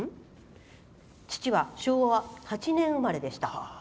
父は昭和８年生まれでした。